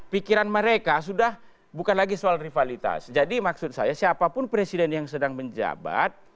pikiran mereka sudah bukan lagi soal rivalitas jadi maksud saya siapapun presiden yang sedang menjabat